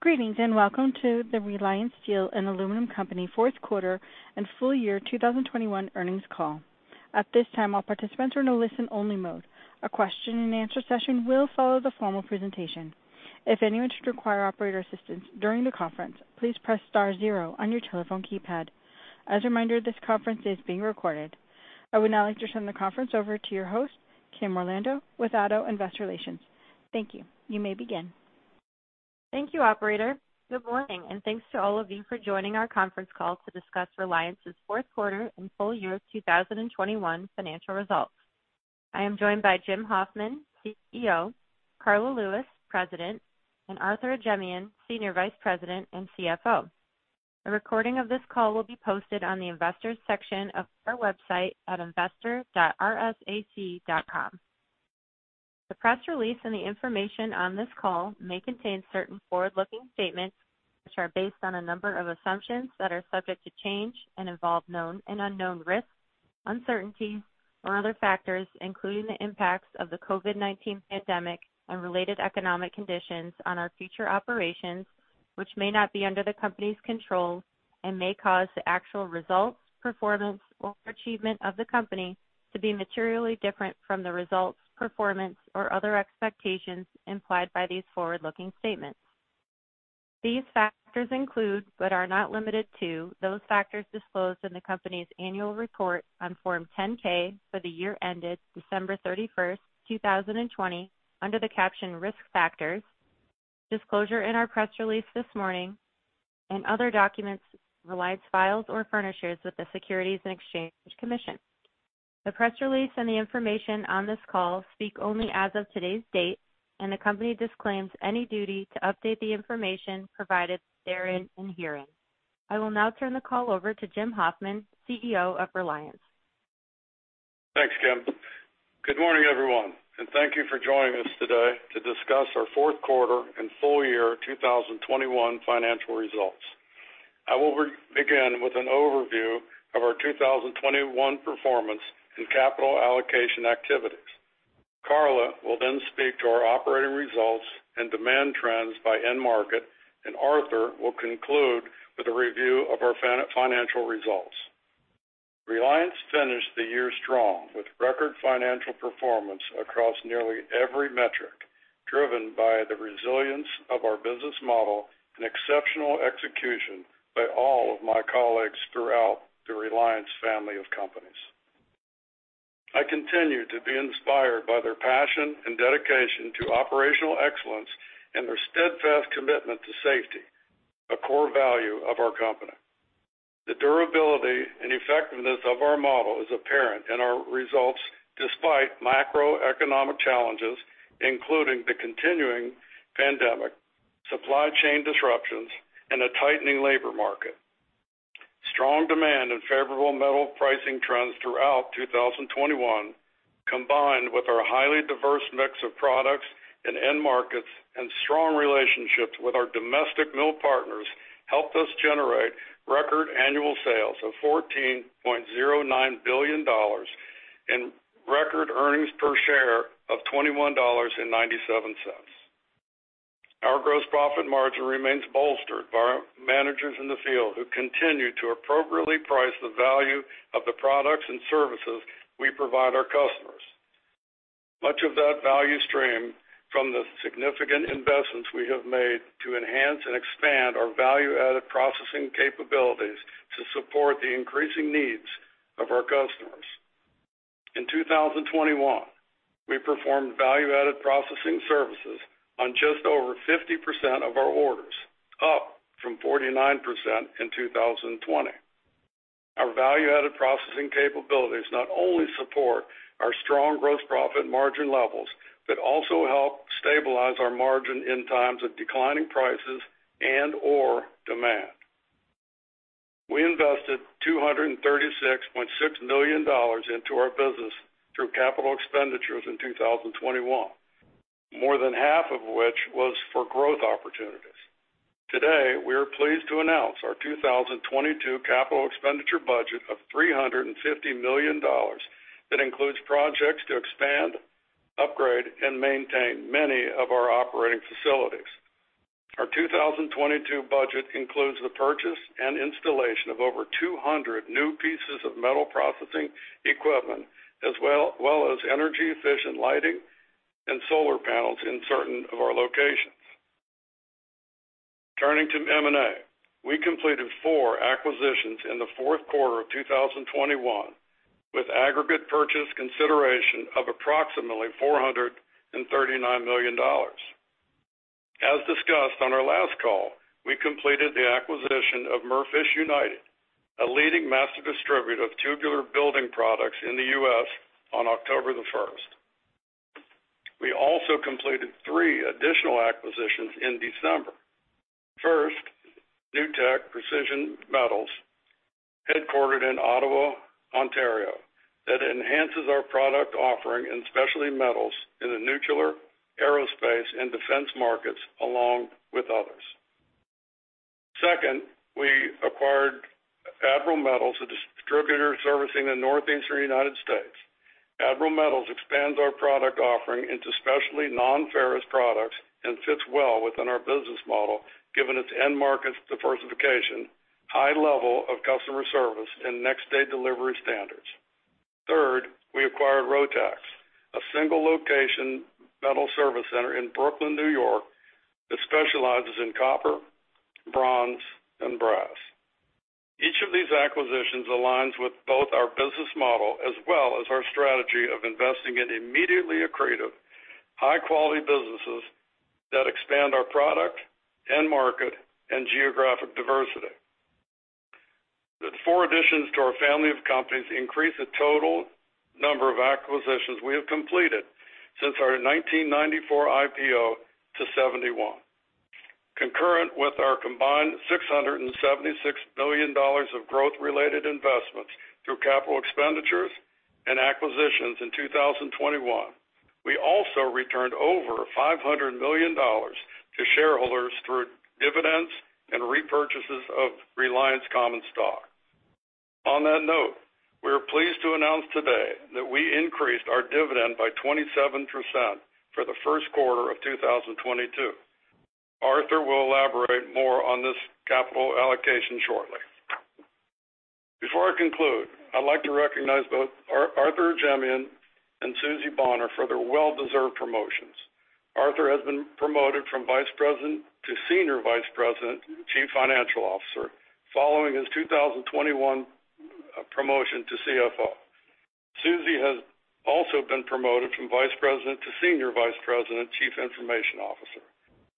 Greetings, and welcome to the Reliance Steel & Aluminum Co. Q4 and full year 2021 earnings call. At this time, all participants are in a listen-only mode. A question-and-answer session will follow the formal presentation. If anyone should require operator assistance during the conference, please press star zero on your telephone keypad. As a reminder, this conference is being recorded. I would now like to turn the conference over to your host, Kim Orlando with ADDO Investor Relations. Thank you. You may begin. Thank you, operator. Good morning, and thanks to all of you for joining our conference call to discuss Reliance's Q4 and full year 2021 financial results. I am joined by Jim Hoffman, CEO, Karla Lewis, President, and Arthur Ajemyan, Senior Vice President and CFO. A recording of this call will be posted on the investors section of our website at investor.rsac.com. The press release and the information on this call may contain certain forward-looking statements which are based on a number of assumptions that are subject to change and involve known and unknown risks, uncertainty, or other factors, including the impacts of the COVID-19 pandemic and related economic conditions on our future operations, which may not be under the company's control and may cause the actual results, performance, or achievement of the company to be materially different from the results, performance, or other expectations implied by these forward-looking statements. These factors include, but are not limited to, those factors disclosed in the company's annual report on Form 10-K for the year ended December 31, 2020, under the caption Risk Factors, disclosure in our press release this morning, and other documents Reliance files or furnishes with the Securities and Exchange Commission. The press release and the information on this call speak only as of today's date, and the company disclaims any duty to update the information provided therein and herein. I will now turn the call over to Jim Hoffman, CEO of Reliance. Thanks, Kim. Good morning, everyone, and thank you for joining us today to discuss our Q4 and full year 2021 financial results. I will begin with an overview of our 2021 performance and capital allocation activities. Karla will then speak to our operating results and demand trends by end market, and Arthur will conclude with a review of our financial results. Reliance finished the year strong with record financial performance across nearly every metric, driven by the resilience of our business model and exceptional execution by all of my colleagues throughout the Reliance family of companies. I continue to be inspired by their passion and dedication to operational excellence and their steadfast commitment to safety, a core value of our company. The durability and effectiveness of our model is apparent in our results despite macroeconomic challenges, including the continuing pandemic, supply chain disruptions, and a tightening labor market. Strong demand and favorable metal pricing trends throughout 2021, combined with our highly diverse mix of products and end markets and strong relationships with our domestic mill partners, helped us generate record annual sales of $14.09 billion and record earnings per share of $21.97. Our gross profit margin remains bolstered by our managers in the field who continue to appropriately price the value of the products and services we provide our customers. Much of that value stems from the significant investments we have made to enhance and expand our value-added processing capabilities to support the increasing needs of our customers. In 2021, we performed value-added processing services on just over 50% of our orders, up from 49% in 2020. Our value-added processing capabilities not only support our strong gross profit margin levels but also help stabilize our margin in times of declining prices and/or demand. We invested $236.6 million into our business through capital expenditures in 2021, more than half of which was for growth opportunities. Today, we are pleased to announce our 2022 capital expenditure budget of $350 million. That includes projects to expand, upgrade, and maintain many of our operating facilities. Our 2022 budget includes the purchase and installation of over 200 new pieces of metal processing equipment, as well as energy-efficient lighting and solar panels in certain of our locations. Turning to M&A. We completed four acquisitions in the Q4 of 2021, with aggregate purchase consideration of approximately $439 million. As discussed on our last call, we completed the acquisition of Merfish United, a leading master distributor of tubular building products in the U.S. on October 1. We also completed three additional acquisitions in December. First, Nu-Tech Precision Metals, headquartered in Ottawa, Ontario, that enhances our product offering in specialty metals in the nuclear, aerospace, and defense markets, along with others. Second, we acquired Admiral Metals, a distributor servicing the Northeastern U.S. Admiral Metals expands our product offering into specialty non-ferrous products and fits well within our business model, given its end markets diversification, high level of customer service, and next-day delivery standards. Third, we acquired Rotax, a single-location metal service center in Brooklyn, New York, that specializes in copper, bronze, and brass. Each of these acquisitions aligns with both our business model as well as our strategy of investing in immediately accretive high-quality businesses that expand our product, end market, and geographic diversity. The four additions to our family of companies increase the total number of acquisitions we have completed since our 1994 IPO to 71. Concurrent with our combined $676 million of growth-related investments through capital expenditures and acquisitions in 2021, we also returned over $500 million to shareholders through dividends and repurchases of Reliance common stock. On that note, we are pleased to announce today that we increased our dividend by 27% for the Q1 of 2022. Arthur will elaborate more on this capital allocation shortly. Before I conclude, I'd like to recognize both Arthur Ajemyan and Suzie Bonner for their well-deserved promotions. Arthur has been promoted from Vice President to Senior Vice President and Chief Financial Officer following his 2021 promotion to CFO. Suzie has also been promoted from Vice President to Senior Vice President and Chief Information Officer.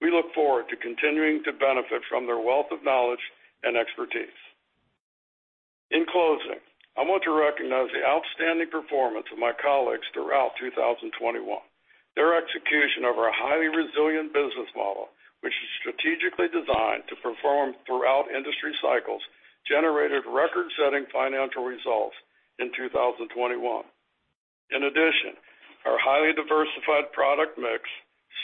We look forward to continuing to benefit from their wealth of knowledge and expertise. In closing, I want to recognize the outstanding performance of my colleagues throughout 2021. Their execution of our highly resilient business model, which is strategically designed to perform throughout industry cycles, generated record-setting financial results in 2021. In addition, our highly diversified product mix,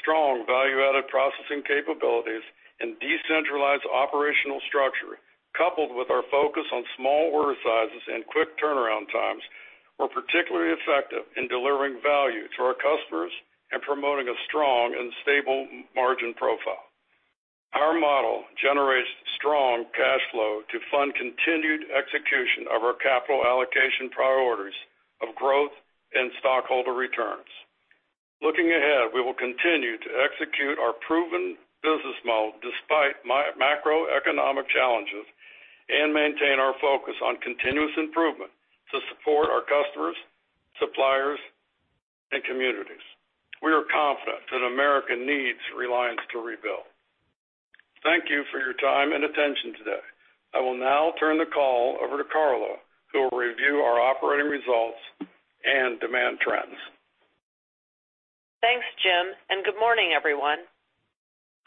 strong value-added processing capabilities, and decentralized operational structure, coupled with our focus on small order sizes and quick turnaround times, were particularly effective in delivering value to our customers and promoting a strong and stable margin profile. Our model generates strong cash flow to fund continued execution of our capital allocation priorities of growth and stockholder returns. Looking ahead, we will continue to execute our proven business model despite macroeconomic challenges and maintain our focus on continuous improvement to support our customers, suppliers, and communities. We are confident that America needs Reliance to rebuild. Thank you for your time and attention today. I will now turn the call over to Karla, who will review our operating results and demand trends. Thanks, Jim, and good morning, everyone.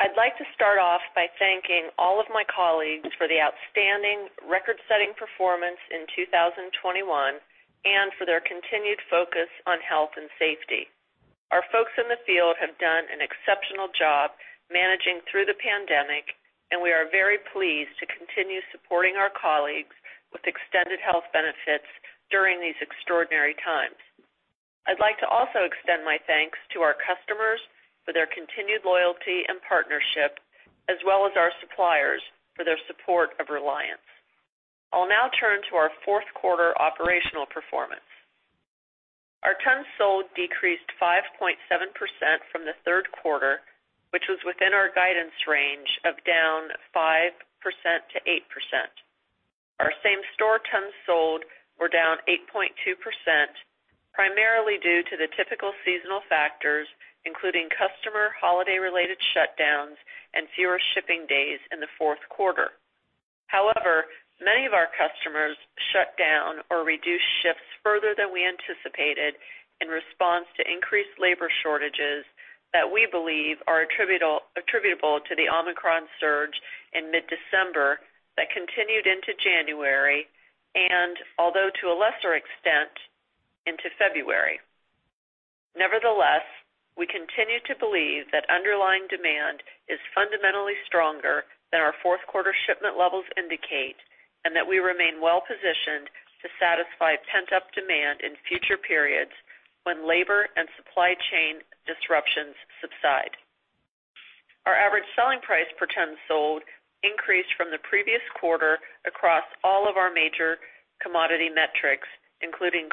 I'd like to start off by thanking all of my colleagues for the outstanding record-setting performance in 2021 and for their continued focus on health and safety. Our folks in the field have done an exceptional job managing through the pandemic, and we are very pleased to continue supporting our colleagues with extended health benefits during these extraordinary times. I'd like to also extend my thanks to our customers for their continued loyalty and partnership, as well as our suppliers for their support of Reliance. I'll now turn to our Q4 operational performance. Our tons sold decreased 5.7% from the Q3, which was within our guidance range of down 5%-8%. Our same-store tons sold were down 8.2%, primarily due to the typical seasonal factors, including customer holiday-related shutdowns and fewer shipping days in the Q4. However, many of our customers shut down or reduced shifts further than we anticipated in response to increased labor shortages that we believe are attributable to the Omicron surge in mid-December that continued into January and, although to a lesser extent, into February. Nevertheless, we continue to believe that underlying demand is fundamentally stronger than our Q4 shipment levels indicate, and that we remain well-positioned to satisfy pent-up demand in future periods when labor and supply chain disruptions subside. Our average selling price per ton sold increased from the previous quarter across all of our major commodity metrics, including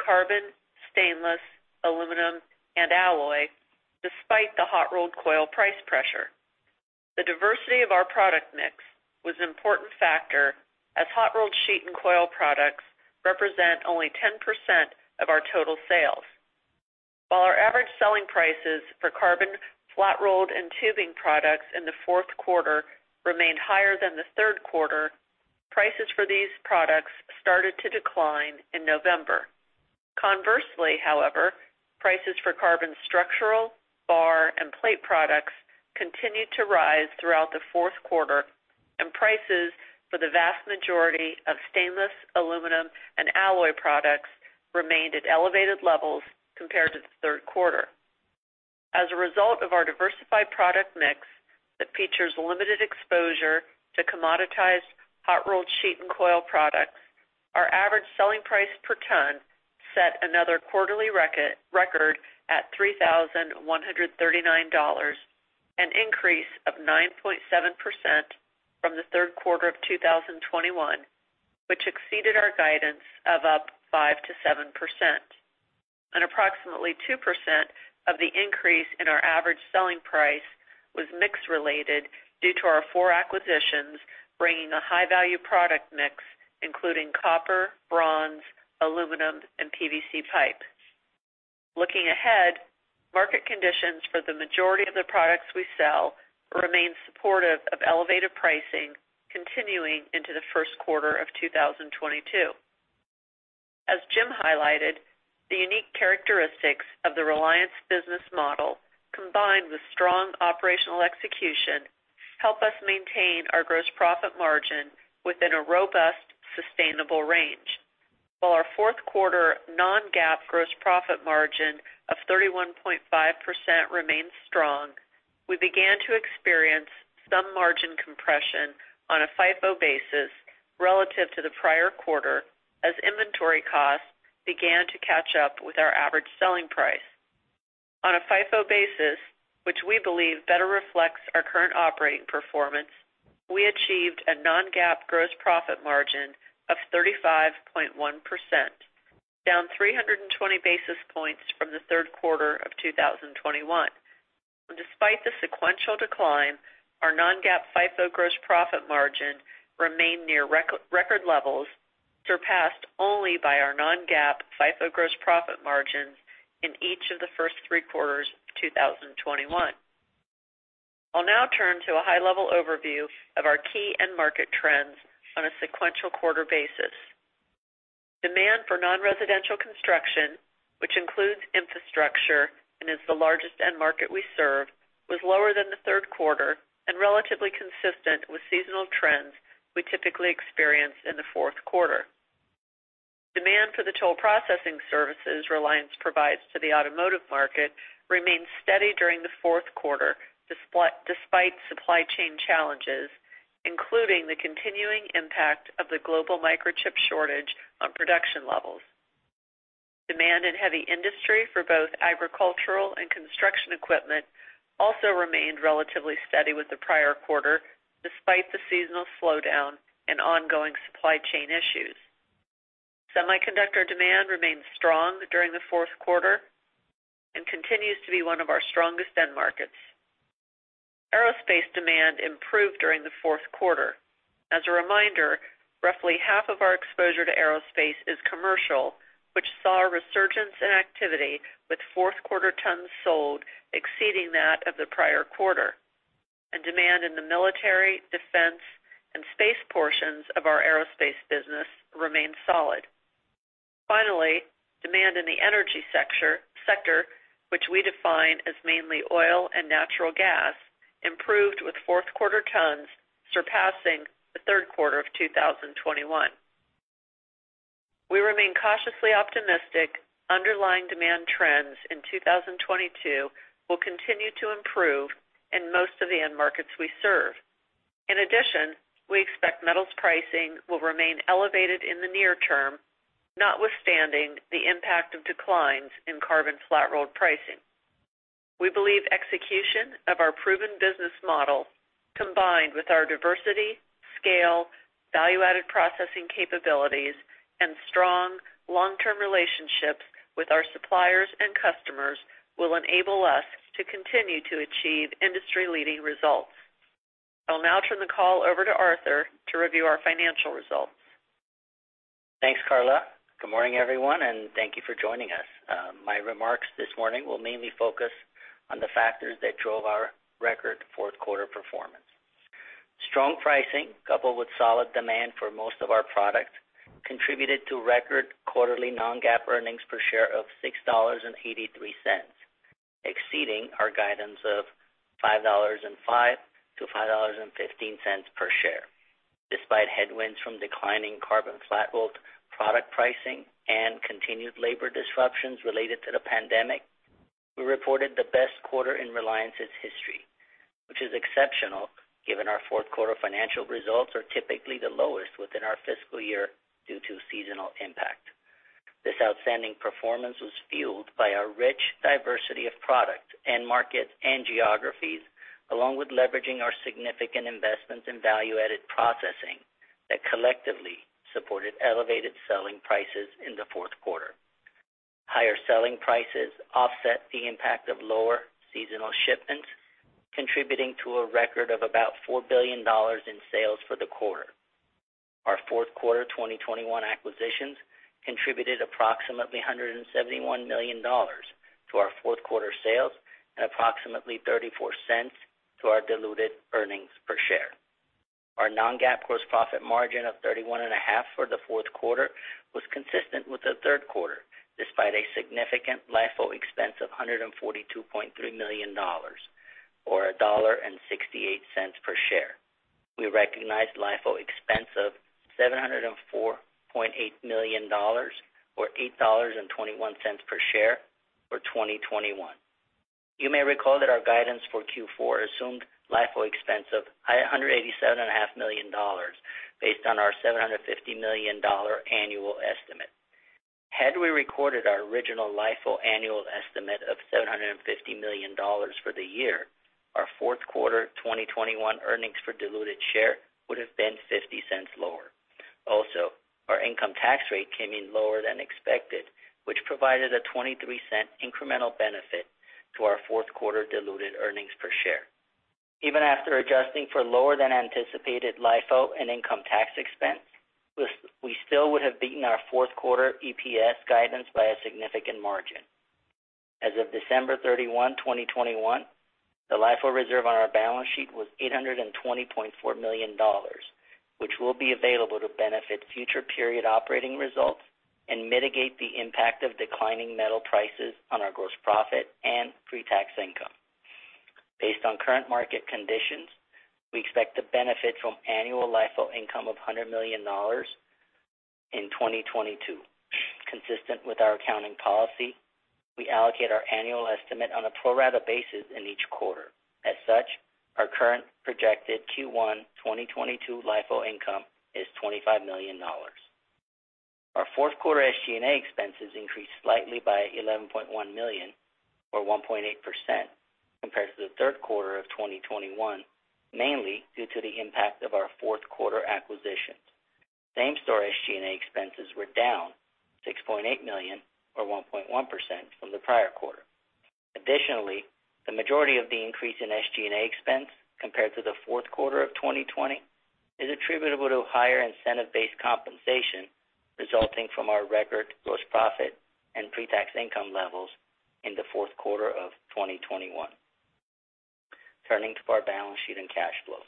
carbon, stainless, aluminum, and alloy, despite the hot rolled coil price pressure. The diversity of our product mix was an important factor as hot rolled sheet and coil products represent only 10% of our total sales. While our average selling prices for carbon flat rolled and tubing products in the Q4 remained higher than the Q3, prices for these products started to decline in November. Conversely, however, prices for carbon structural, bar, and plate products continued to rise throughout the Q4, and prices for the vast majority of stainless, aluminum, and alloy products remained at elevated levels compared to the Q3. as a result of our diversified product mix that features limited exposure to commoditized hot-rolled sheet and coil products, our average selling price per ton set another quarterly record at $3,139, an increase of 9.7% from the Q3 of 2021, which exceeded our guidance of up 5%-7%. Approximately 2% of the increase in our average selling price was mix-related due to our four acquisitions, bringing a high-value product mix, including copper, bronze, aluminum, and PVC pipe. Looking ahead, market conditions for the majority of the products we sell remain supportive of elevated pricing continuing into the Q1 of 2022. As Jim highlighted, the unique characteristics of the Reliance business model, combined with strong operational execution, help us maintain our gross profit margin within a robust, sustainable range. While our Q4 non-GAAP gross profit margin of 31.5% remains strong, we began to experience some margin compression on a FIFO basis relative to the prior quarter as inventory costs began to catch up with our average selling price. On a FIFO basis, which we believe better reflects our current operating performance, we achieved a non-GAAP gross profit margin of 35.1%, down 320 basis points from the Q3 of 2021. Despite the sequential decline, our non-GAAP FIFO gross profit margin remained near record levels, surpassed only by our non-GAAP FIFO gross profit margins in each of the first three quarters of 2021. I'll now turn to a high-level overview of our key end market trends on a sequential quarter basis. Demand for non-residential construction, which includes infrastructure and is the largest end market we serve, was lower than the Q3 and relatively consistent with seasonal trends we typically experience in the Q4. Demand for the toll processing services Reliance provides to the automotive market remained steady during the Q4, despite supply chain challenges, including the continuing impact of the global microchip shortage on production levels. Demand in heavy industry for both agricultural and construction equipment also remained relatively steady with the prior quarter, despite the seasonal slowdown and ongoing supply chain issues. Semiconductor demand remained strong during the Q4 and continues to be one of our strongest end markets. Aerospace demand improved during the Q4. As a reminder, roughly half of our exposure to aerospace is commercial, which saw a resurgence in activity with Q4 tons sold exceeding that of the prior quarter. Demand in the military, defense, and space portions of our aerospace business remained solid. Finally, demand in the energy sector, which we define as mainly oil and natural gas, improved with Q4 tons surpassing the Q3 of 2021. We remain cautiously optimistic underlying demand trends in 2022 will continue to improve in most of the end markets we serve. In addition, we expect metals pricing will remain elevated in the near term, notwithstanding the impact of declines in carbon flat-rolled pricing. We believe execution of our proven business model, combined with our diversity, scale, value-added processing capabilities, and strong long-term relationships with our suppliers and customers, will enable us to continue to achieve industry-leading results. I'll now turn the call over to Arthur to review our financial results. Thanks, Karla. Good morning, everyone, and thank you for joining us. My remarks this morning will mainly focus on the factors that drove our record Q4 performance. Strong pricing, coupled with solid demand for most of our products, contributed to record quarterly non-GAAP earnings per share of $6.83, exceeding our guidance of $5.05-$5.15 per share. Despite headwinds from declining carbon flat-rolled product pricing and continued labor disruptions related to the pandemic, we reported the best quarter in Reliance's history, which is exceptional given our Q4 financial results are typically the lowest within our fiscal year due to seasonal impact. This outstanding performance was fueled by our rich diversity of products, end markets, and geographies, along with leveraging our significant investments in value-added processing that collectively supported elevated selling prices in the Q4. Higher selling prices offset the impact of lower seasonal shipments, contributing to a record of about $4 billion in sales for the quarter. Our Q4 2021 acquisitions contributed approximately $171 million to our Q4 sales and approximately $0.34 to our diluted earnings per share. Our non-GAAP gross profit margin of 31.5% for the Q4 was consistent with the Q3, despite a significant LIFO expense of $142.3 million or $1.68 per share. We recognized LIFO expense of $704.8 million or $8.21 per share for 2021. You may recall that our guidance for Q4 assumed LIFO expense of $187.5 million based on our $750 million annual estimate. Had we recorded our original LIFO annual estimate of $750 million for the year, our Q4 2021 earnings per diluted share would have been $0.50 lower. Also, our income tax rate came in lower than expected, which provided a $0.23 incremental benefit to our Q4 diluted earnings per share. Even after adjusting for lower than anticipated LIFO and income tax expense, we still would have beaten our Q4 EPS guidance by a significant margin. As of December 31, 2021, the LIFO reserve on our balance sheet was $820.4 million, which will be available to benefit future period operating results and mitigate the impact of declining metal prices on our gross profit and pre-tax income. Based on current market conditions, we expect to benefit from annual LIFO income of $100 million in 2022. Consistent with our accounting policy, we allocate our annual estimate on a pro rata basis in each quarter. As such, our current projected Q1 2022 LIFO income is $25 million. Our Q4 SG&A expenses increased slightly by $11.1 million or 1.8% compared to the Q3 of 2021, mainly due to the impact of our Q4 acquisitions. Same store SG&A expenses were down $6.8 million or 1.1% from the prior quarter. Additionally, the majority of the increase in SG&A expense compared to the Q4 of 2020 is attributable to higher incentive-based compensation resulting from our record gross profit and pre-tax income levels in the Q4 of 2021. Turning to our balance sheet and cash flow.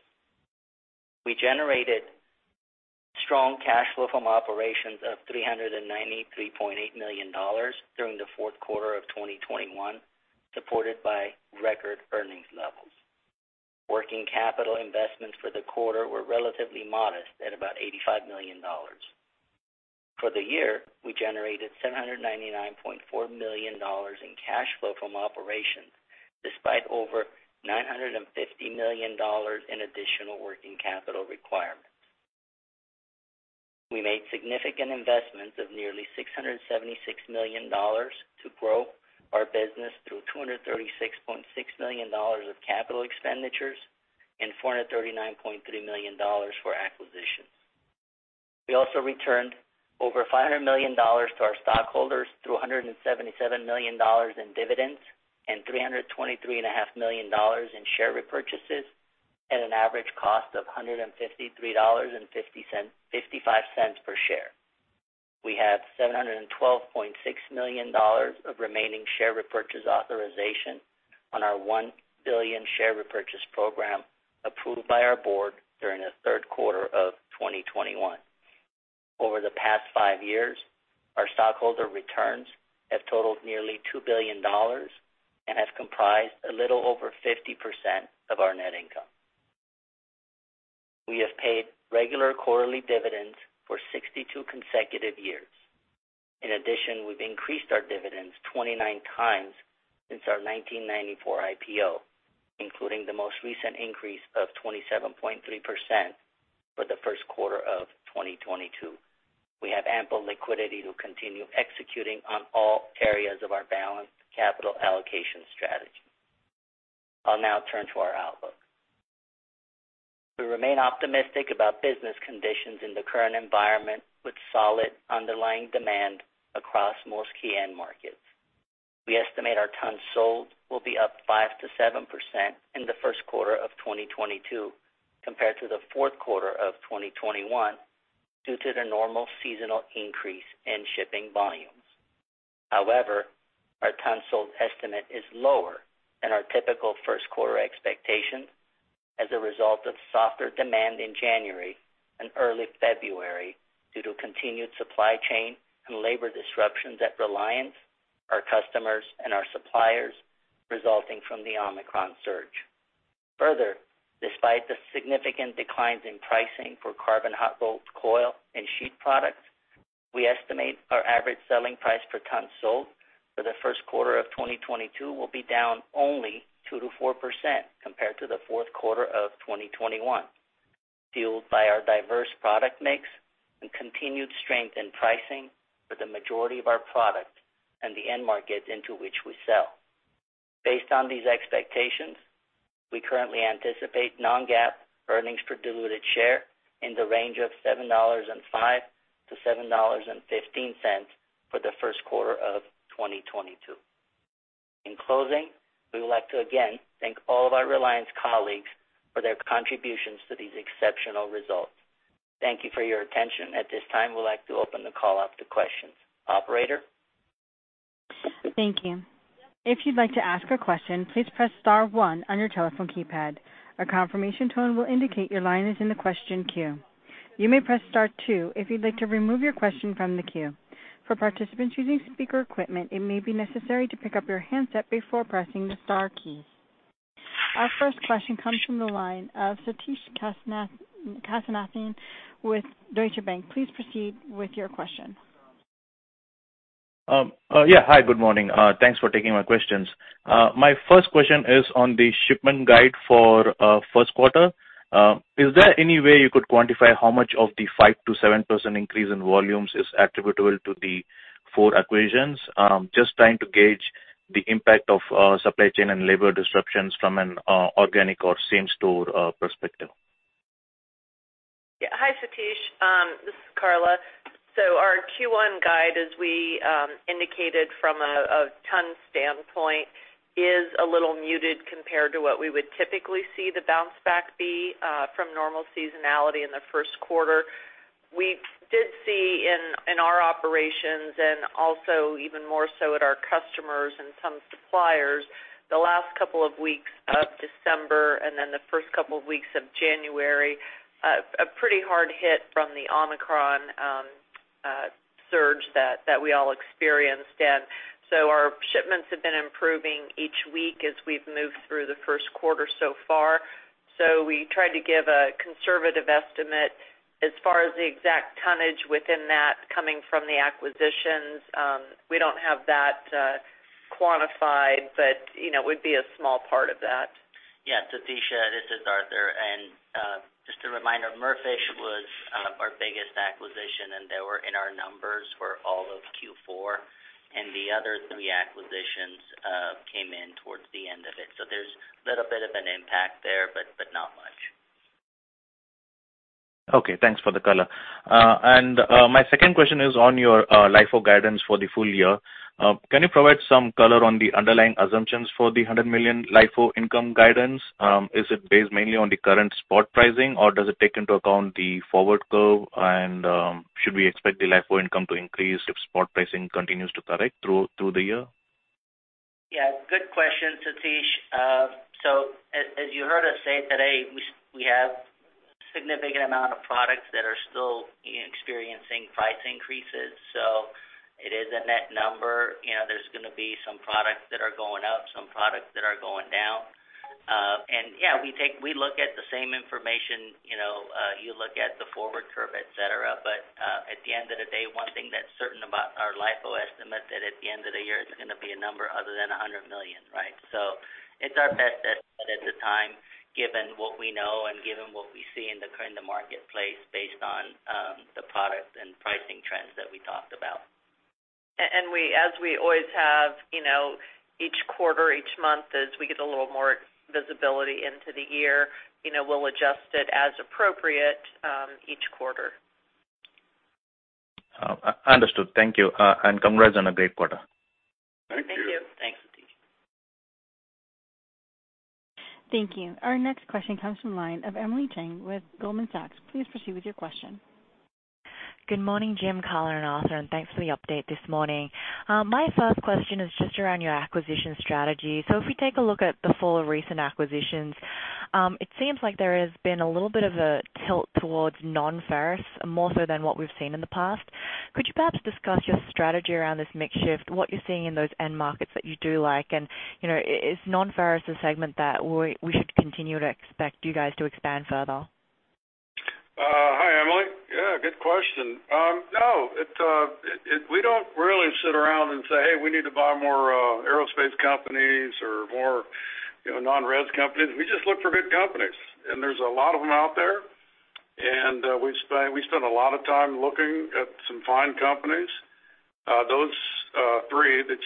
We generated strong cash flow from operations of $393.8 million during the Q4 of 2021, supported by record earnings levels. Working capital investments for the quarter were relatively modest at about $85 million. For the year, we generated $799.4 million in cash flow from operations, despite over $950 million in additional working capital requirements. We made significant investments of nearly $676 million to grow our business through $236.6 million of capital expenditures and $439.3 million for acquisitions. We also returned over $500 million to our stockholders through $177 million in dividends and $323.5 million in share repurchases at an average cost of $153.55 per share. We have $712.6 million of remaining share repurchase authorization on our $1 billion share repurchase program approved by our board during the Q3 of 2021. Over the past five years, our stockholder returns have totaled nearly $2 billion and have comprised a little over 50% of our net income. We have paid regular quarterly dividends for 62 consecutive years. In addition, we've increased our dividends 29 times since our 1994 IPO, including the most recent increase of 27.3% for the Q1 of 2022. We have ample liquidity to continue executing on all areas of our balanced capital allocation strategy. I'll now turn to our outlook. We remain optimistic about business conditions in the current environment with solid underlying demand across most key end markets. We estimate our tons sold will be up 5%-7% in the Q1 of 2022 compared to the Q4 of 2021 due to the normal seasonal increase in shipping volumes. However, our tons sold estimate is lower than our typical Q1 expectations as a result of softer demand in January and early February due to continued supply chain and labor disruptions at Reliance, our customers, and our suppliers resulting from the Omicron surge. Further, despite the significant declines in pricing for carbon hot rolled coil and sheet products, we estimate our average selling price per ton sold for the Q1 of 2022 will be down only 2%-4% compared to the Q4 of 2021, fueled by our diverse product mix and continued strength in pricing for the majority of our products and the end markets into which we sell. Based on these expectations, we currently anticipate non-GAAP earnings per diluted share in the range of $7.05-$7.15 for the Q1 of 2022. In closing, we would like to again thank all of our Reliance colleagues for their contributions to these exceptional results. Thank you for your attention. At this time, we'd like to open the call up to questions. Operator? Thank you. If you'd like to ask a question, please press star one on your telephone keypad. A confirmation tone will indicate your line is in the question queue. You may press star two if you like to remove your question from the queue. For participants using speaker equipment, it may be necessary to pick up your handset before pressing the star key. Our first question comes from the line of Sathish Kasinathan with Deutsche Bank. Please proceed with your question. Yeah, hi, good morning. Thanks for taking my questions. My first question is on the shipment guidance for Q1. Is there any way you could quantify how much of the 5%-7% increase in volumes is attributable to the four acquisitions? Just trying to gauge the impact of supply chain and labor disruptions from an organic or same-store perspective. Yeah. Hi, Sathish. This is Karla. Our Q1 guide, as we indicated from a ton standpoint, is a little muted compared to what we would typically see the bounce back be from normal seasonality in the Q1. We did see in our operations and also even more so at our customers and some suppliers, the last couple of weeks of December and then the first couple of weeks of January a pretty hard hit from the Omicron surge that we all experienced. Our shipments have been improving each week as we've moved through the Q1 so far. We try to give a conservative estimate. As far as the exact tonnage within that coming from the acquisitions, we don't have that quantified, but you know, it would be a small part of that. Yeah, Sathish, this is Arthur. Just a reminder, Merfish was our biggest acquisition, and they were in our numbers for all of Q4. The other three acquisitions came in towards the end of it. There's a little bit of an impact there, but not much. Okay, thanks for the color. My second question is on your LIFO guidance for the full year. Can you provide some color on the underlying assumptions for the $100 million LIFO income guidance? Is it based mainly on the current spot pricing, or does it take into account the forward curve? Should we expect the LIFO income to increase if spot pricing continues to correct through the year? Yeah, good question, Sathish. As you heard us say today, we have significant amount of products that are still experiencing price increases. It is a net number. You know, there's gonna be some products that are going up, some products that are going down. We look at the same information, you know. You look at the forward curve, et cetera. At the end of the day, one thing that's certain about our LIFO estimate that at the end of the year it's gonna be a number other than $100 million, right? It's our best estimate at the time, given what we know and given what we see in the marketplace based on the product and pricing trends that we talked about. We, as we always have, you know, each quarter, each month as we get a little more visibility into the year, you know, we'll adjust it as appropriate, each quarter. Understood. Thank you. Congrats on a great quarter. Thank you. Thank you. Thanks, Sathish. Thank you. Our next question comes from the line of Emily Chieng with Goldman Sachs. Please proceed with your question. Good morning, Jim, Karla, and Arthur, and thanks for the update this morning. My first question is just around your acquisition strategy. If we take a look at the full recent acquisitions, it seems like there has been a little bit of a tilt towards non-ferrous, more so than what we've seen in the past. Could you perhaps discuss your strategy around this mix shift, what you're seeing in those end markets that you do like? You know, is non-ferrous a segment that we should continue to expect you guys to expand further? Hi, Emily. Yeah, good question. No, we don't really sit around and say, "Hey, we need to buy more aerospace companies or more, you know, non-res companies." We just look for good companies, and there's a lot of them out there. We spend a lot of time looking at some fine companies. Those three that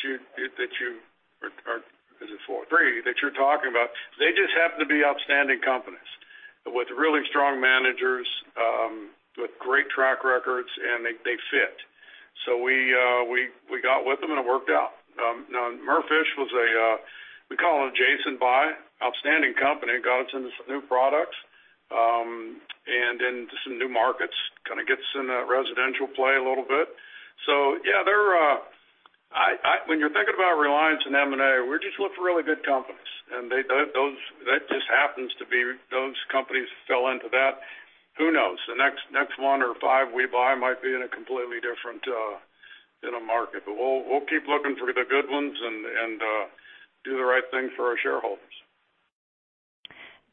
you're talking about, they just happen to be outstanding companies with really strong managers, with great track records, and they fit. We got with them, and it worked out. Now Merfish was what we call an jacent buy. Outstanding company. Got us into some new products and into some new markets. Kind of gets in the residential play a little bit. Yeah, they're. When you're thinking about Reliance and M&A, we just look for really good companies. Those that just happens to be those companies fell into that. Who knows? The next one or five we buy might be in a completely different market. We'll keep looking for the good ones and do the right thing for our shareholders.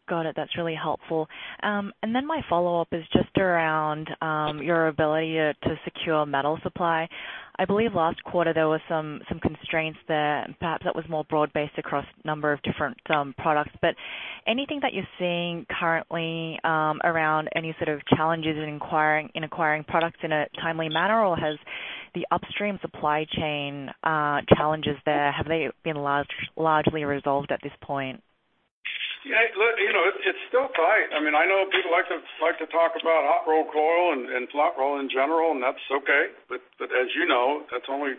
Got it. That's really helpful. My follow-up is just around your ability to secure metal supply. I believe last quarter there were some constraints there, and perhaps that was more broad-based across a number of different products. Anything that you're seeing currently around any sort of challenges in acquiring products in a timely manner? Have the upstream supply chain challenges there been largely resolved at this point? Look, you know, it's still tight. I mean, I know people like to talk about hot-rolled coil and flat roll in general, and that's okay. As you know, that's only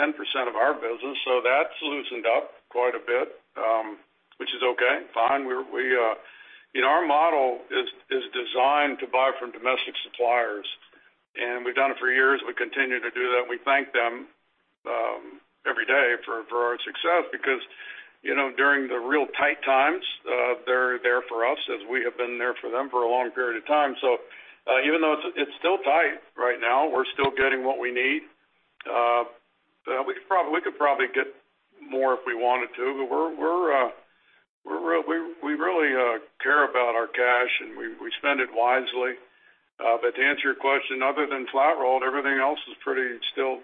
10% of our business. That's loosened up quite a bit, which is okay, fine. You know, our model is designed to buy from domestic suppliers, and we've done it for years. We continue to do that, and we thank them every day for our success because, you know, during the real tight times, they're there for us as we have been there for them for a long period of time. Even though it's still tight right now, we're still getting what we need. We could probably get more if we wanted to, but we really care about our cash, and we spend it wisely. To answer your question, other than flat rolled, everything else is pretty still,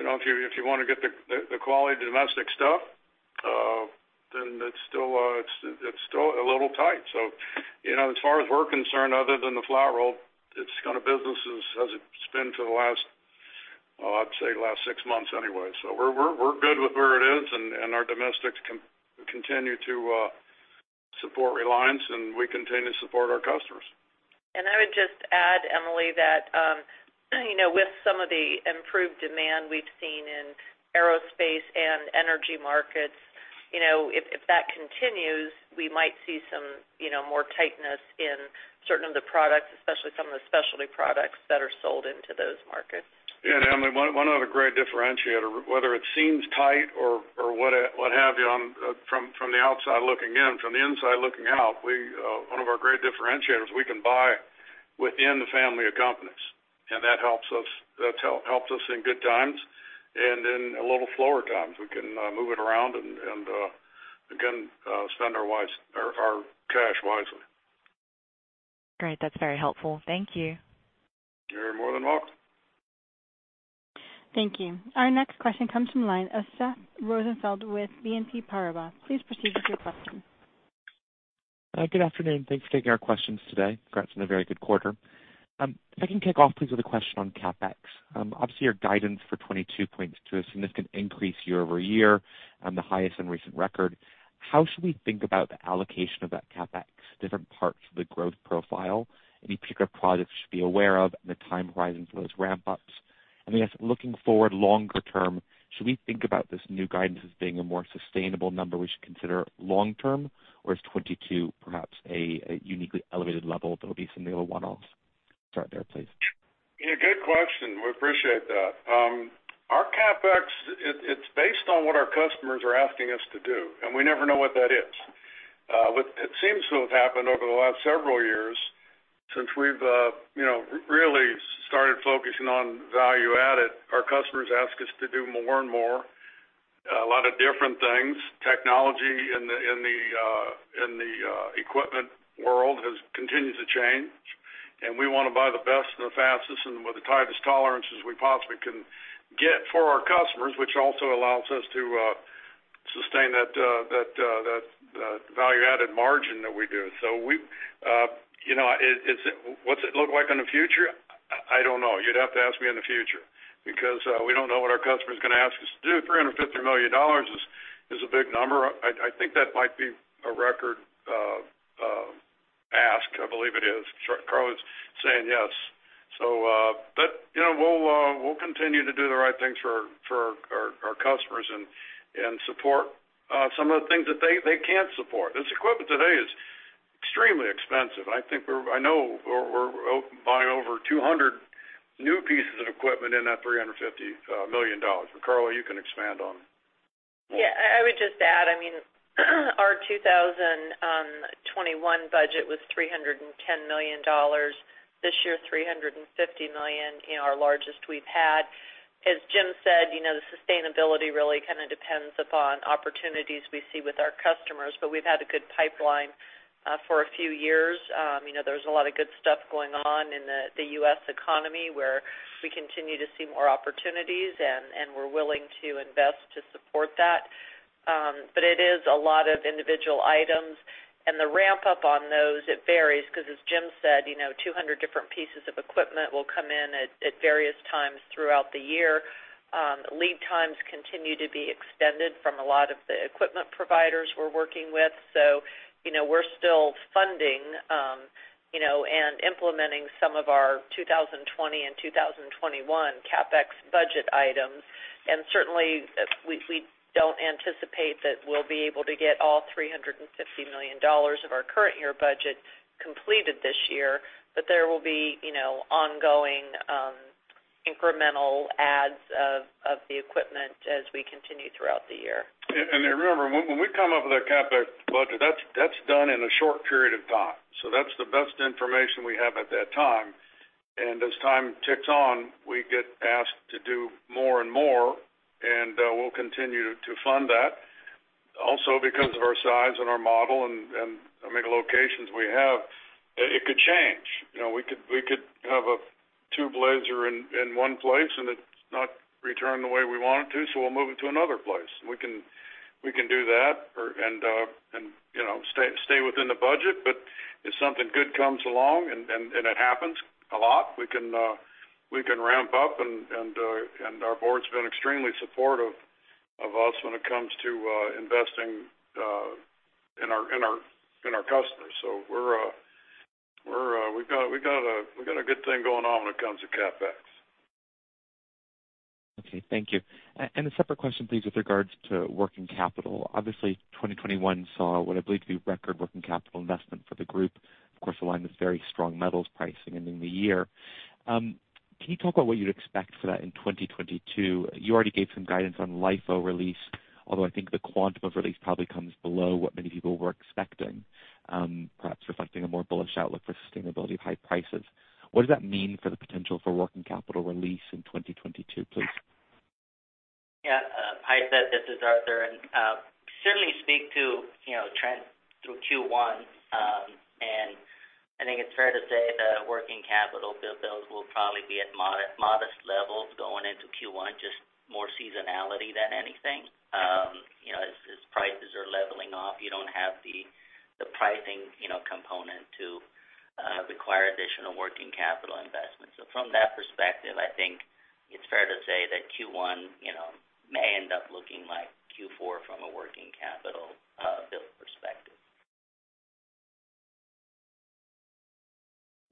you know, if you wanna get the quality domestic stuff, then it's still a little tight. You know, as far as we're concerned, other than the flat rolled, it's kind of business as it's been for the last, oh, I'd say the last six months anyway. We're good with where it is, and our domestics continue to support Reliance, and we continue to support our customers. I would just add, Emily, that you know, with some of the improved demand we've seen in aerospace and energy markets, you know, if that continues, we might see some you know, more tightness in certain of the products, especially some of the specialty products that are sold into those markets. Yeah, Emily, one other great differentiator, whether it seems tight or what have you, from the outside looking in, from the inside looking out, one of our great differentiators, we can buy within the family of companies. That helps us, helps us in good times, and in a little slower times, we can move it around and again spend our cash wisely. Great. That's very helpful. Thank you. You're more than welcome. Thank you. Our next question comes from the line of Seth Rosenfeld with BNP Paribas. Please proceed with your question. Good afternoon. Thanks for taking our questions today. Congrats on a very good quarter. If I can kick off please with a question on CapEx. Obviously, your guidance for 2022 points to a significant increase year-over-year and the highest in recent record. How should we think about the allocation of that CapEx, different parts of the growth profile? Any particular projects we should be aware of and the time horizons for those ramp ups? I guess, looking forward longer term, should we think about this new guidance as being a more sustainable number we should consider long term, or is 2022 perhaps a uniquely elevated level that will be some of the one-offs? Start there, please. Yeah, good question. We appreciate that. Our CapEx, it's based on what our customers are asking us to do, and we never know what that is. It seems to have happened over the last several years since we've really started focusing on value-added. Our customers ask us to do more and more, a lot of different things. Technology in the equipment world has continued to change, and we wanna buy the best and the fastest and with the tightest tolerances we possibly can get for our customers, which also allows us to sustain that value-added margin that we do. We've, you know, what's it look like in the future? I don't know. You'd have to ask me in the future because we don't know what our customers are gonna ask us to do. $350 million is a big number. I think that might be a record ask. I believe it is. Karla's saying yes. You know, we'll continue to do the right things for our customers and support some of the things that they can't support. This equipment today is extremely expensive, and I think we're, I know we're buying over 200 new pieces of equipment in that $350 million. Karla, you can expand on that. Yeah. I would just add, I mean, our 2021 budget was $310 million. This year, $350 million, you know, our largest we've had. As Jim said, you know, the sustainability really kind of depends upon opportunities we see with our customers, but we've had a good pipeline for a few years. You know, there's a lot of good stuff going on in the U.S. economy, where we continue to see more opportunities, and we're willing to invest to support that. But it is a lot of individual items. The ramp up on those, it varies because as Jim said, you know, 200 different pieces of equipment will come in at various times throughout the year. Lead times continue to be extended from a lot of the equipment providers we're working with. You know, we're still funding, you know, and implementing some of our 2020 and 2021 CapEx budget items. Certainly, we don't anticipate that we'll be able to get all $350 million of our current year budget completed this year. There will be, you know, ongoing, incremental adds of the equipment as we continue throughout the year. Remember, when we come up with our CapEx budget, that's done in a short period of time. That's the best information we have at that time. As time ticks on, we get asked to do more and more, and we'll continue to fund that. Also, because of our size and our model and, I mean, the locations we have, it could change. You know, we could have a tube laser in one place, and it's not returned the way we want it to, so we'll move it to another place. We can do that or, you know, stay within the budget. If something good comes along, and it happens a lot, we can ramp up, and our board's been extremely supportive of us when it comes to investing in our customers. We've got a good thing going on when it comes to CapEx. Okay. Thank you. A separate question, please, with regards to working capital. Obviously, 2021 saw what I believe to be record working capital investment for the group. Of course, aligned with very strong metals pricing ending the year. Can you talk about what you'd expect for that in 2022? You already gave some guidance on LIFO release, although I think the quantum of release probably comes below what many people were expecting, perhaps reflecting a more bullish outlook for sustainability of high prices. What does that mean for the potential for working capital release in 2022, please? Yeah. Hi, Seth. This is Arthur, and certainly speak to, you know, trend through Q1. I think it's fair to say that working capital build will probably be at modest levels going into Q1, just more seasonality than anything. You know, as prices are leveling off, you don't have the pricing, you know, component to require additional working capital investment. From that perspective, I think it's fair to say that Q1, you know, may end up looking like Q4 from a working capital build perspective.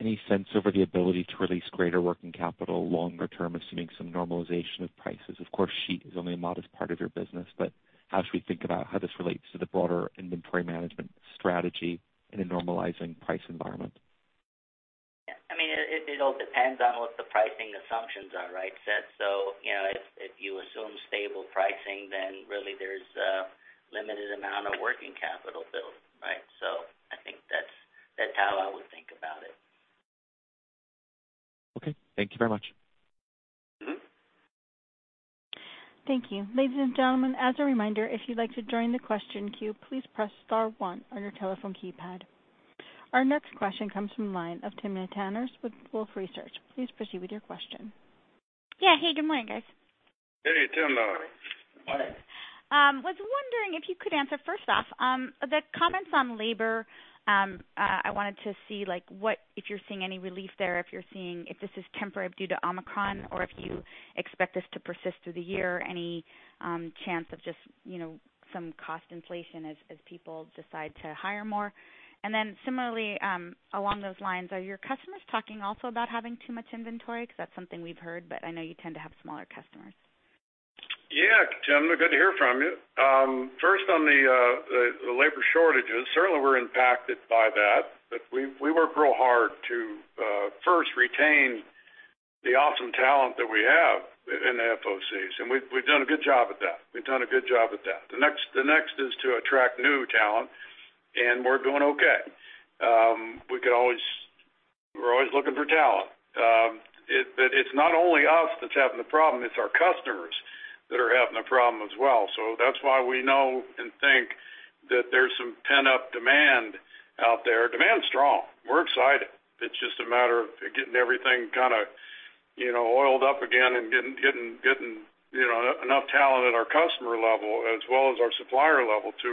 Any sense over the ability to release greater working capital longer term, assuming some normalization of prices? Of course, sheet is only a modest part of your business, but how should we think about how this relates to the broader inventory management strategy in a normalizing price environment? Yeah. I mean, it all depends on what the pricing assumptions are, right, Seth? You know, if you assume stable pricing, then really there's a limited amount of working capital build, right? I think that's how I would think about it. Okay. Thank you very much. Thank you. Ladies and gentlemen, as a reminder, if you'd like to join the question queue, please press star one on your telephone keypad. Our next question comes from the line of Timna Tanners with Wolfe Research. Please proceed with your question. Yeah. Hey, good morning, guys. Hey, Timna. Was wondering if you could answer first off the comments on labor. I wanted to see, like what if you're seeing any relief there, if this is temporary due to Omicron, or if you expect this to persist through the year, any chance of just, you know, some cost inflation as people decide to hire more. Similarly, along those lines, are your customers talking also about having too much inventory? Because that's something we've heard, but I know you tend to have smaller customers. Yeah, Timna, good to hear from you. First on the labor shortages, certainly we're impacted by that. We work real hard to first retain the awesome talent that we have in the FOCs, and we've done a good job at that. The next is to attract new talent, and we're doing okay. We're always looking for talent. It's not only us that's having the problem, it's our customers that are having a problem as well. That's why we know and think that there's some pent-up demand out there. Demand's strong. We're excited. It's just a matter of getting everything kind of you know, oiled up again and getting you know, enough talent at our customer level as well as our supplier level to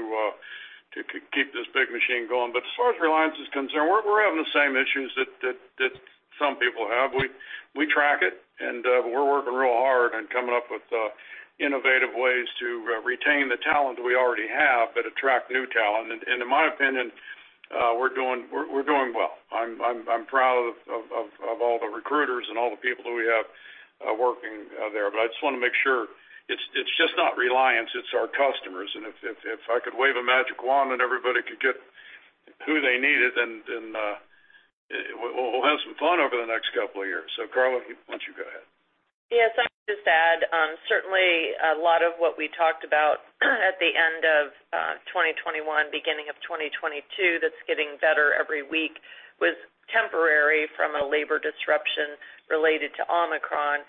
keep this big machine going. As far as Reliance is concerned, we're having the same issues that some people have. We track it and we're working real hard on coming up with innovative ways to retain the talent we already have, but attract new talent. In my opinion, we're doing well. I'm proud of all the recruiters and all the people that we have working there. I just wanna make sure it's just not Reliance, it's our customers. If I could wave a magic wand and everybody could get who they needed, then we'll have some fun over the next couple of years. Karla, why don't you go ahead? Yes. I'd just add, certainly a lot of what we talked about at the end of 2021, beginning of 2022, that's getting better every week, was temporary from a labor disruption related to Omicron.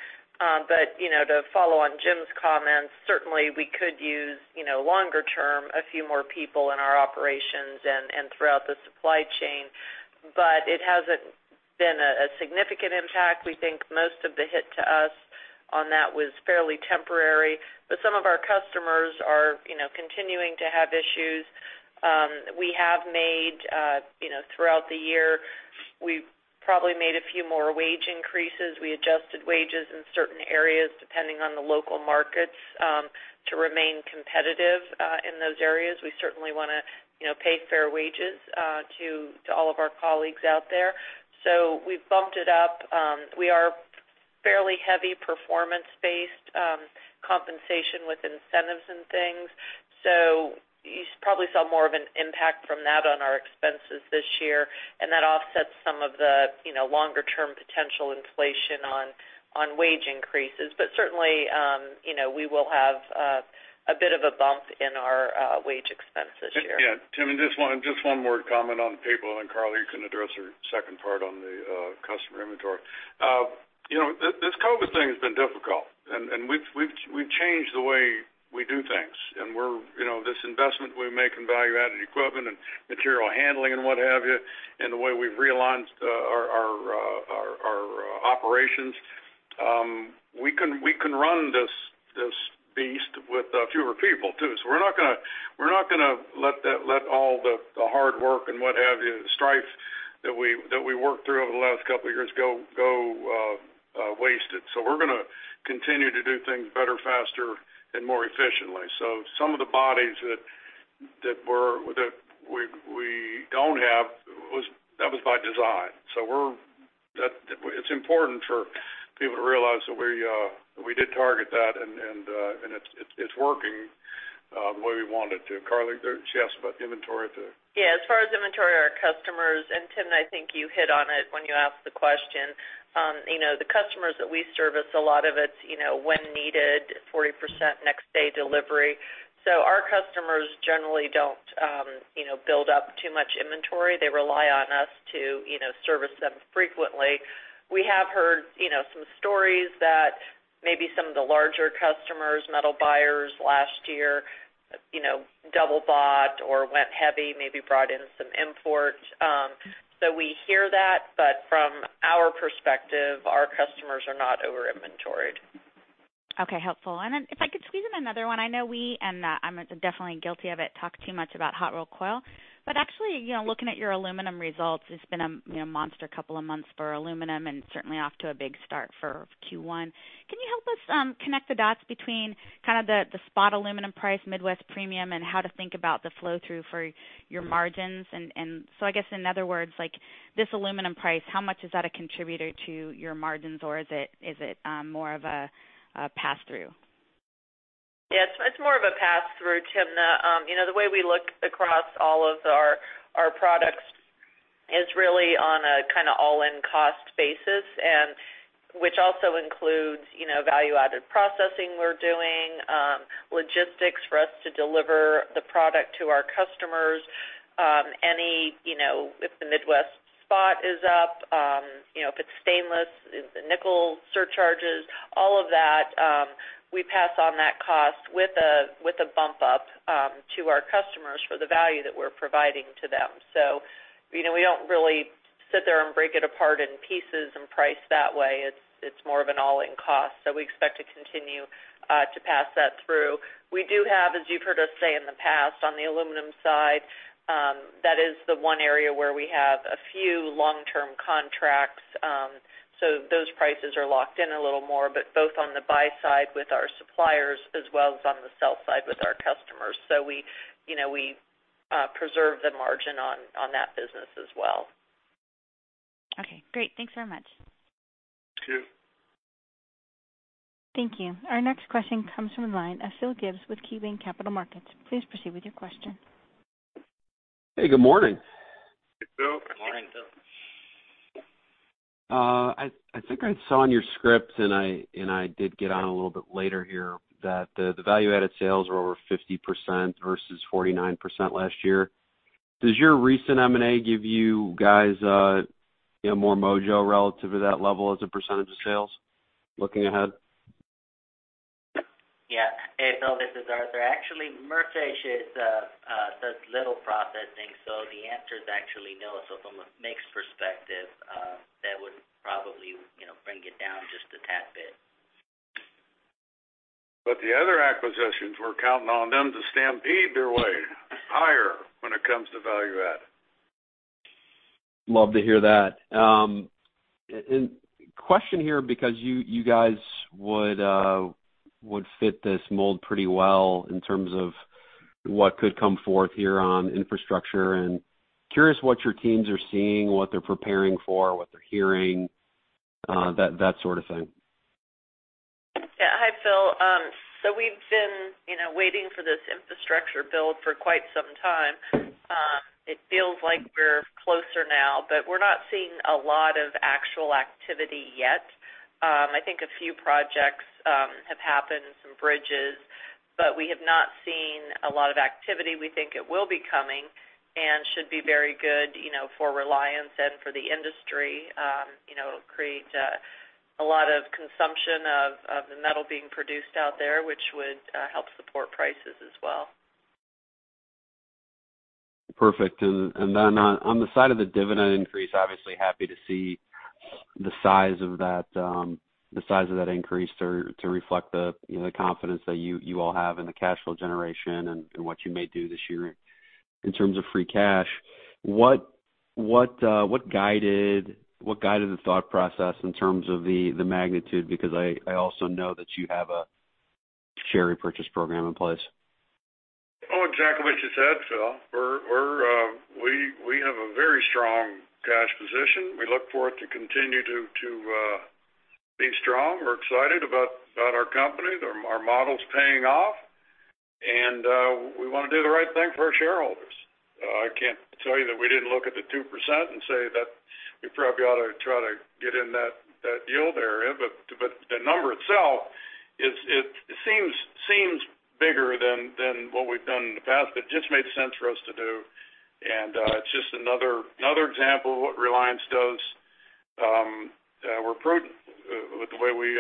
You know, to follow on Jim's comments, certainly we could use, you know, longer term, a few more people in our operations and throughout the supply chain, but it hasn't been a significant impact. We think most of the hit to us on that was fairly temporary, but some of our customers are, you know, continuing to have issues. We have made, you know, throughout the year, we've probably made a few more wage increases. We adjusted wages in certain areas, depending on the local markets, to remain competitive in those areas. We certainly wanna, you know, pay fair wages to all of our colleagues out there. We've bumped it up. We are fairly heavy performance-based compensation with incentives and things. You probably saw more of an impact from that on our expenses this year, and that offsets some of the, you know, longer term potential inflation on wage increases. Certainly, you know, we will have a bit of a bump in our wage expense this year. Yeah. Tim, just one more comment on people, and then Karla, you can address her second part on the customer inventory. You know, this COVID thing has been difficult and we've changed the way we do things, and we're you know, this investment we make in value-added equipment and material handling and what have you, and the way we've realigned our operations, we can run this beast with fewer people too. We're not gonna let all the hard work and what have you, the strife that we worked through over the last couple of years go wasted. We're gonna continue to do things better, faster, and more efficiently. Some of the bodies that we don't have, that was by design. It's important for people to realize that we did target that and it's working the way we wanted to. Karla, did she ask about the inventory too? Yeah. As far as inventory, our customers, and Timna, I think you hit on it when you asked the question. You know, the customers that we service, a lot of it's, you know, when needed, 40% next day delivery. Our customers generally don't, you know, build up too much inventory. They rely on us to, you know, service them frequently. We have heard, you know, some stories that maybe some of the larger customers, metal buyers last year, you know, double bought or went heavy, maybe brought in some imports. We hear that, but from our perspective, our customers are not over-inventoried. Okay, helpful. Then if I could squeeze in another one. I know we, and I'm definitely guilty of it, talk too much about hot rolled coil. Actually, you know, looking at your aluminum results, it's been a you know monster couple of months for aluminum and certainly off to a big start for Q1. Can you help us connect the dots between kind of the spot aluminum price, Midwest Premium, and how to think about the flow-through for your margins? I guess in other words, like this aluminum price, how much is that a contributor to your margins, or is it more of a pass-through? Yes, it's more of a pass-through, Timna. You know, the way we look across all of our products is really on a kind of all-in cost basis and which also includes you know, value-added processing we're doing, logistics for us to deliver the product to our customers. Any, you know, if the Midwest Premium is up, you know, if it's stainless, the nickel surcharges, all of that, we pass on that cost with a bump up to our customers for the value that we're providing to them. You know, we don't really sit there and break it apart in pieces and price that way. It's more of an all-in cost. We expect to continue to pass that through. We do have, as you've heard us say in the past, on the aluminum side, that is the one area where we have a few long-term contracts. Those prices are locked in a little more, but both on the buy side with our suppliers as well as on the sell side with our customers. We, you know, preserve the margin on that business as well. Okay, great. Thanks very much. Thank you. Thank you. Our next question comes from the line of Phil Gibbs with KeyBanc Capital Markets. Please proceed with your question. Hey, good morning. Hey, Phil. Good morning. I think I saw on your script, and I did get on a little bit later here, that the value-added sales were over 50% versus 49% last year. Does your recent M&A give you guys, you know, more mojo relative to that level as a percentage of sales looking ahead? Yeah. Hey, Phil, this is Arthur. Actually, Merfish does little processing. The answer is actually no. From a mix perspective, that would probably, you know, bring it down just a tad bit. The other acquisitions, we're counting on them to stampede their way higher when it comes to value add. Love to hear that. Question here, because you guys would fit this mold pretty well in terms of what could come forth here on infrastructure and curious what your teams are seeing, what they're preparing for, what they're hearing, that sort of thing. Yeah. Hi, Phil. So we've been, you know, waiting for this infrastructure build for quite some time. It feels like we're closer now, but we're not seeing a lot of actual activity yet. I think a few projects have happened, some bridges, but we have not seen a lot of activity. We think it will be coming and should be very good, you know, for Reliance and for the industry, you know, create a lot of consumption of the metal being produced out there, which would help support prices as well. Perfect. Then on the side of the dividend increase, obviously happy to see the size of that increase to reflect the, you know, the confidence that you all have in the cash flow generation and what you may do this year in terms of free cash. What guided the thought process in terms of the magnitude? Because I also know that you have a share repurchase program in place. Oh, exactly what you said, Phil. We have a very strong cash position. We look for it to continue to be strong. We're excited about our company. Our model's paying off, and we wanna do the right thing for our shareholders. I can't tell you that we didn't look at the 2% and say that we probably ought to try to get in that yield area. But the number itself is, it seems bigger than what we've done in the past, but it just made sense for us to do. And it's just another example of what Reliance does. We're prudent with the way we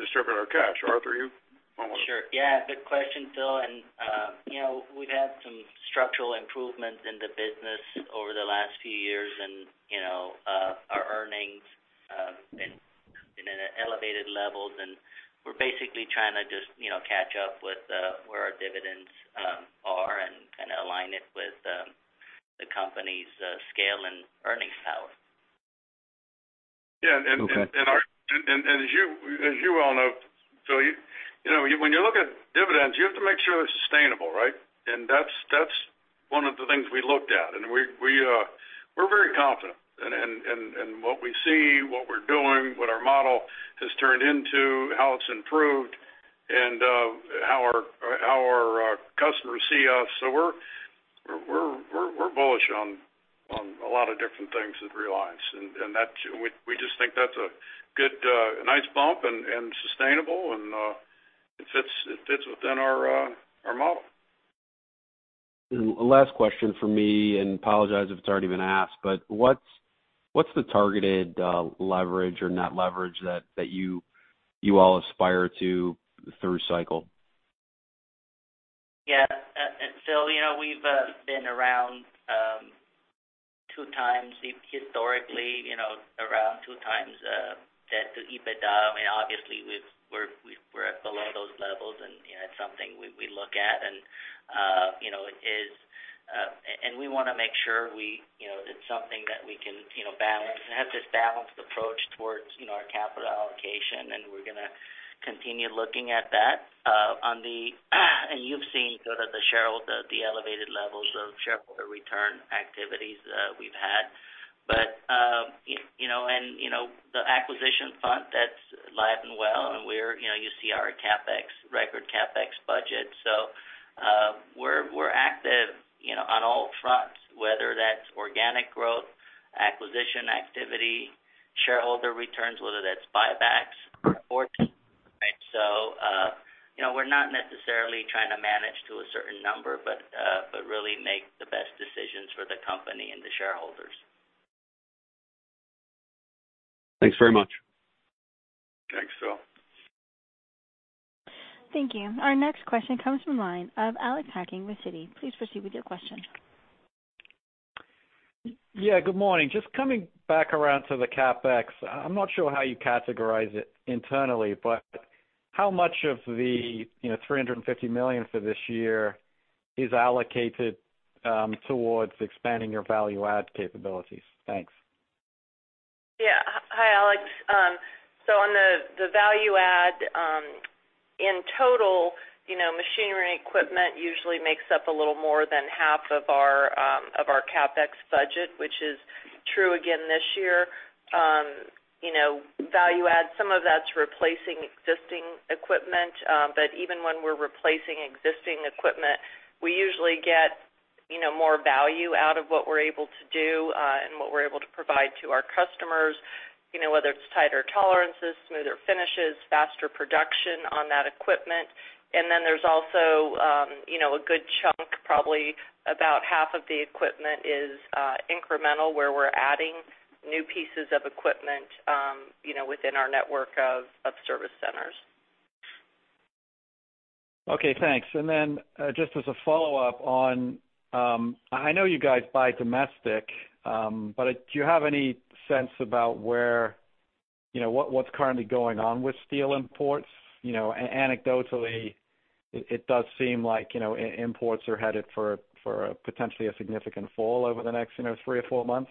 distribute our cash. Arthur, you wanna- Sure. Yeah, good question, Phil. You know, we've had some structural improvements in the business over the last few years and, you know, our earnings been in elevated levels, and we're basically trying to just, you know, catch up with where our dividends are and kind of align it with the company's scale and earnings power. Yeah. Okay. As you well know, Phil, you know, when you look at dividends, you have to make sure they're sustainable, right? That's one of the things we looked at, and we were very confident in what we see, what we're doing, what our model has turned into, how it's improved, and how our customers see us. We're bullish on a lot of different things at Reliance. We just think that's a good, a nice bump and sustainable, and it fits within our model. Last question from me, and I apologize if it's already been asked, but what's the targeted leverage or net leverage that you all aspire to through cycle? Yeah. Phil, you know, we've been around 2x historically, you know, around 2x debt to EBITDA. I mean, obviously, we're at below those levels, and you know, it's something we look at. You know, we wanna make sure it's something that we can balance. It has this balanced approach towards you know, our capital allocation, and we're gonna continue looking at that. You've seen sort of the elevated levels of shareholder return activities we've had. You know, the acquisition front, that's alive and well, and you see our CapEx, record CapEx budget. We're active, you know, on all fronts, whether that's organic growth, acquisition activity, shareholder returns, whether that's buybacks. Right? You know, we're not necessarily trying to manage to a certain number, but really make the best decisions for the company and the shareholders. Thanks very much. Thanks, Phil. Thank you. Our next question comes from the line of Alex Hacking with Citi. Please proceed with your question. Yeah, good morning. Just coming back around to the CapEx, I'm not sure how you categorize it internally, but how much of the, you know, $350 million for this year is allocated towards expanding your value add capabilities? Thanks. Yeah. Hi, Alex. On the value add, in total, you know, machinery and equipment usually makes up a little more than half of our CapEx budget, which is true again this year. You know, value add, some of that's replacing existing equipment. Even when we're replacing existing equipment, we usually get, you know, more value out of what we're able to do, and what we're able to provide to our customers, you know, whether it's tighter tolerances, smoother finishes, faster production on that equipment. There's also, you know, a good chunk, probably about half of the equipment is incremental, where we're adding new pieces of equipment, you know, within our network of service centers. Okay, thanks. Then, just as a follow-up on, I know you guys buy domestic, but do you have any sense about where, you know, what's currently going on with steel imports? You know, anecdotally, it does seem like, you know, imports are headed for potentially a significant fall over the next, you know, three or four months.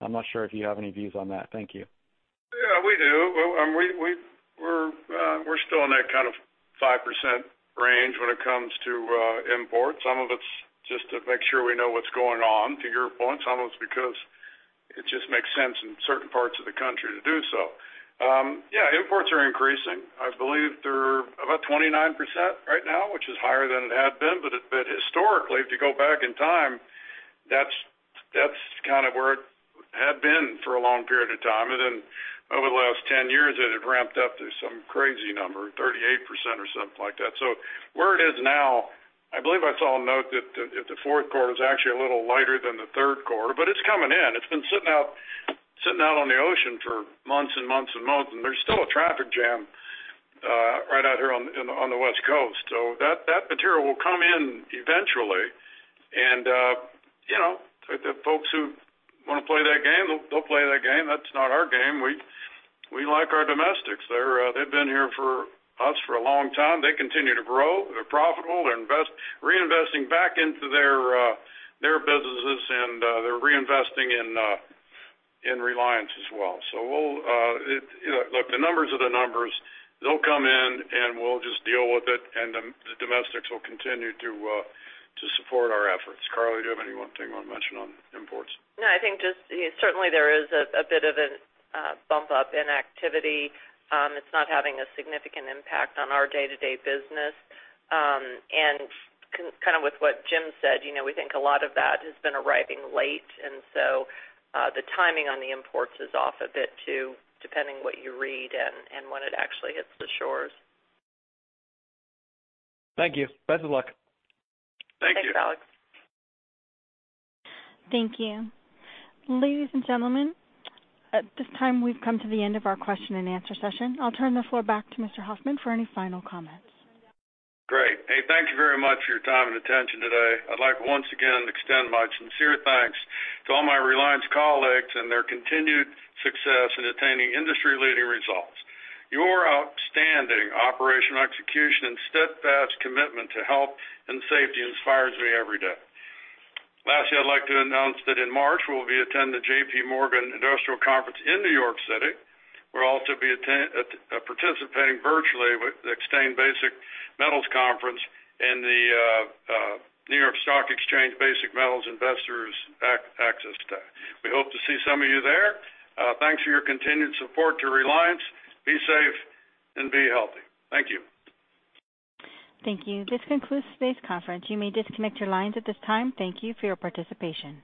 I'm not sure if you have any views on that. Thank you. Yeah, we do. We're still in that kind of 5% range when it comes to imports. Some of it's just to make sure we know what's going on, to your point. Some of it's because it just makes sense in certain parts of the country to do so. Yeah, imports are increasing. I believe they're about 29% right now, which is higher than it had been. Historically, if you go back in time, that's kind of where it had been for a long period of time. Then over the last 10 years, it had ramped up to some crazy number, 38% or something like that. Where it is now, I believe I saw a note that the Q4 is actually a little lighter than the Q3, but it's coming in. It's been sitting out on the ocean for months and months and months, and there's still a traffic jam right out here on the West Coast. That material will come in eventually. You know, the folks who wanna play that game, they'll play that game. That's not our game. We like our domestics. They've been here for us for a long time. They continue to grow. They're profitable. They're reinvesting back into their businesses, and they're reinvesting in Reliance as well. Look, the numbers are the numbers. They'll come in, and we'll just deal with it, and the domestics will continue to support our efforts. Carly, do you have anything you wanna mention on imports? No, I think just, you know, certainly there is a bit of a bump up in activity. It's not having a significant impact on our day-to-day business. Kind of with what Jim said, you know, we think a lot of that has been arriving late, and so the timing on the imports is off a bit too, depending what you read and when it actually hits the shores. Thank you. Best of luck. Thank you. Thanks, Alex. Thank you. Ladies and gentlemen, at this time, we've come to the end of our question and answer session. I'll turn the floor back to Mr. Hoffman for any final comments. Great. Hey, thank you very much for your time and attention today. I'd like to once again extend my sincere thanks to all my Reliance colleagues and their continued success in attaining industry-leading results. Your outstanding operational execution and steadfast commitment to health and safety inspires me every day. Lastly, I'd like to announce that in March, we'll be attending the JPMorgan Industrials Conference in New York City. We'll also be participating virtually with the Exane BNP Paribas Basic Materials Conference in the New York Stock Exchange Basic Materials Investor Access Day. We hope to see some of you there. Thanks for your continued support to Reliance. Be safe and be healthy. Thank you. Thank you. This concludes today's conference. You may disconnect your lines at this time. Thank you for your participation.